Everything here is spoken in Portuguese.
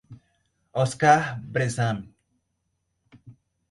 Oscar Bressane